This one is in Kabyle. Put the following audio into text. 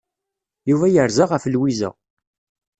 Yuba yerza ɣef Lwiza.